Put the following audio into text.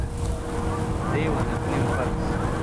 They were nicknamed "Pugs".